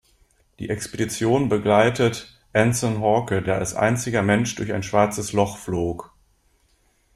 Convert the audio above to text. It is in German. Die Expedition begleitet Anson Hawke, der als einziger Mensch durch ein Schwarzes Loch flog.